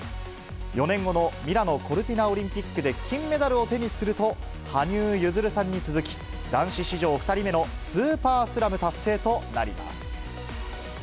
４年後のミラノコルティナオリンピックで金メダルを手にすると、羽生結弦さんに続き、男子史上２人目のスーパースラム達成となります。